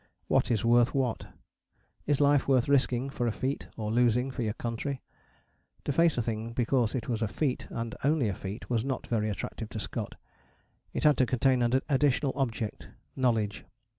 What is worth what? Is life worth risking for a feat, or losing for your country? To face a thing because it was a feat, and only a feat, was not very attractive to Scott: it had to contain an additional object knowledge.